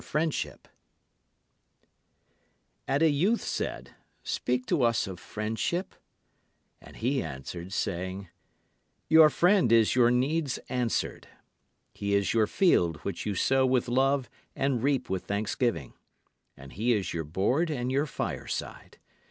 And a youth said, Speak to us of Friendship. And he answered, saying: Your friend is your needs answered. He is your field which you sow with love and reap with thanksgiving. And he is your board and your fireside.